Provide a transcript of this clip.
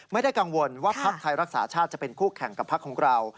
ไม่ได้กังวลว่าพักไทยรักษาชาติจะเป็นคู่แข่งกับพักของเรา